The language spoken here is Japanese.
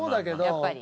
やっぱり。